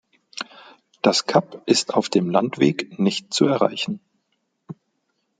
Das Kap ist auf dem Landweg nicht zu erreichen.